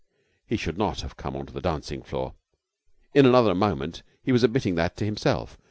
He should not have come out on to the dancing floor. In another moment he was admitting that himself.